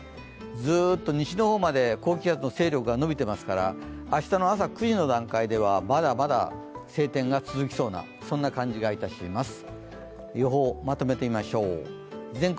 ずっと西の方まで高気圧の勢力がのびていますから明日の朝９時の段階ではまだまだ晴天が続きそうな感じがします。